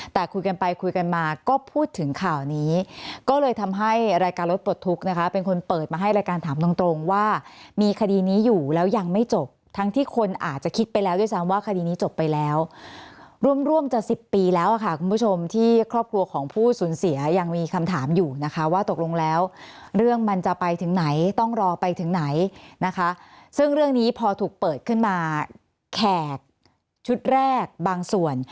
แต่คุยกันไปคุยกันมาก็พูดถึงข่าวนี้ก็เลยทำให้รายการรถปลดทุกข์นะคะเป็นคนเปิดมาให้รายการถามตรงตรงว่ามีคดีนี้อยู่แล้วยังไม่จบทั้งที่คนอาจจะคิดไปแล้วด้วยซ้ำว่าคดีนี้จบไปแล้วร่วมร่วมจะสิบปีแล้วค่ะคุณผู้ชมที่ครอบครัวของผู้สูญเสียยังมีคำถามอยู่นะคะว่าตกลงแล้วเรื่องมันจะไปถึงไหนต้องรอไปถึงไหนนะคะซึ่งเรื่องนี้พอถูกเปิดขึ้นมาแขกชุดแรกบางส่วน